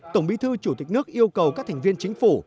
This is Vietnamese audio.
tổng bí thư chủ tịch nước yêu cầu các thành viên chính phủ